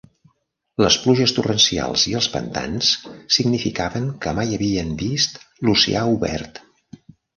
Les pluges torrencials i els pantans significaven que mai havien vist l'oceà obert.